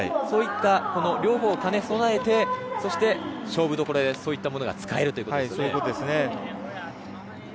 そういった両方を兼ね備えて勝負どころでそういったものが使えるということですよね。